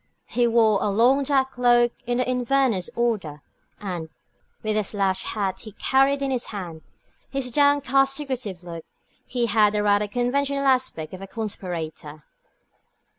He wore a long dark cloak of the Inverness order, and, with the slouch hat he carried in his hand, and his downcast, secretive look, he had the rather conventional aspect of a conspirator.